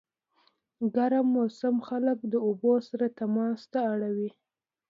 ګرم موسم خلک د اوبو سره تماس ته اړوي.